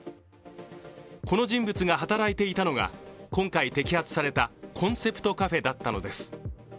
この人物が働いていたのが、今回摘発されたコンセプトカフェだったのです。